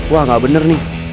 wah gak bener nih